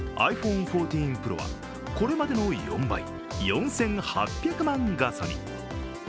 ｉＰｈｏｎｅ１４Ｐｒｏはこれまでの４倍、４８００万画素に。